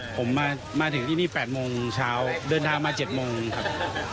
ผมมาถึงที่นี่๘โมงเช้าเดินทางมา๗โมงครับ